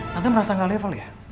tante merasa gak level ya